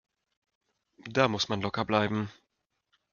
Da muss man locker bleiben.